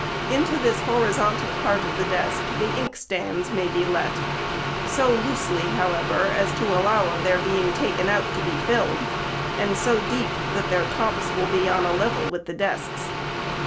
Into this horizontal part of the desk, the inkstands may be let : so loosely, however, as to allow of their being taken out to be filled ; and so deep, that their tops will be on a level with the desks.